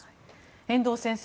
遠藤先生